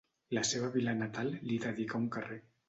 La seva vila natal li dedicà un carrer.